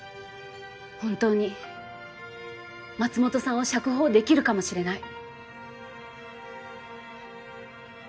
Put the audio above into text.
本当に松本さんを釈放できるかもしれない。